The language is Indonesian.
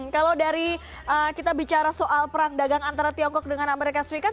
kalau dari kita bicara soal perang dagang antara tiongkok dengan amerika serikat